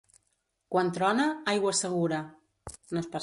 Quan trona, aigua segura.